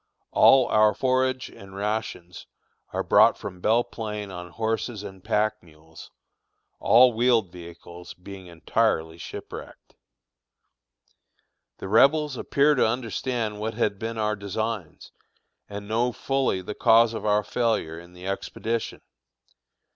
All our forage and rations are brought from Belle Plain on horses and pack mules, all wheeled vehicles being entirely shipwrecked. The Rebels appear to understand what had been our designs, and know fully the cause of our failure in the expedition.